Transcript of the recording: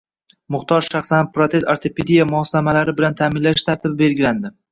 Muhtoj shaxslarni protez-ortopediya moslamalari bilan ta'minlash tartibi belgilandi